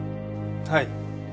はい。